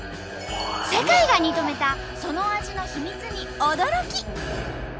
世界が認めたその味の秘密に驚き！